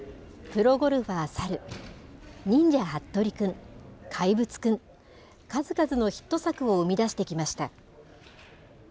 プロゴルファー猿、忍者ハットリくん、怪物くん、数々のヒット作を生み出してきました。